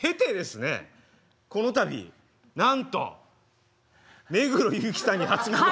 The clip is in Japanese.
この度なんと目黒祐樹さんに初孫が。